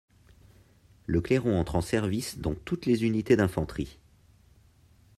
Le clairon entre en service dans toutes les unités d'infanterie.